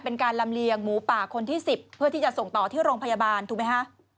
เป็นการลำเลียงหมูป่าคนที่๑๐เพื่อที่จะส่งต่อที่โรงพยาบาลถูกไหมคะ